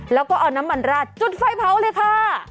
แล้วก็เอาน้ำมันราดจุดไฟเผาเลยค่ะ